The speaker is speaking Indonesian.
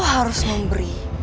kau harus memberi